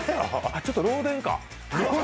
ちょっと漏電か。